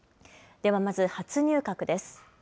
ではまず初入閣です。